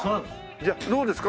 じゃあどうですか？